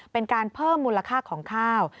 เป็นการเพิ่มมูลค่าของข้าว